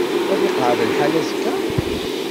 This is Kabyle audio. Ad iqeɛɛed lḥal azekka?